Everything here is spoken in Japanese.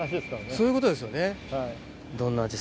そういうことですよね。